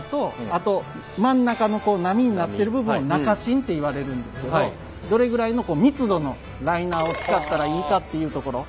あと真ん中の波になってる部分を中しんっていわれるんですけどどれぐらいの密度のライナーを使ったらいいかっていうところ。